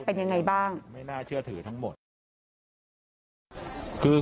เป็นยังไงบ้าง